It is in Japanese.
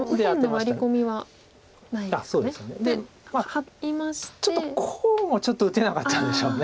まあこうもちょっと打てなかったんでしょう。